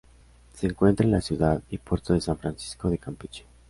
Se encuentra en la ciudad y puerto de San Francisco de Campeche.